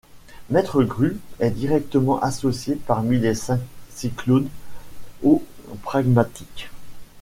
Maître Grue est directement associé, parmi les cinq cyclones, au pragmatique.